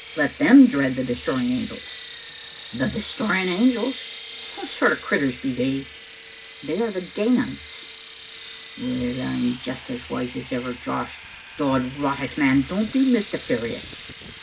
Let them dread the Destroying Angels!" "The Destroying Angels! What sort o' critters be they?" "They are the Danites." "Wal I'm jest as wise as ever, Josh. Dod rot it, man! don't be mystiferous.